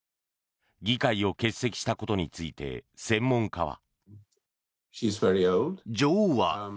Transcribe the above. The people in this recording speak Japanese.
議会を欠席したことについて専門家は。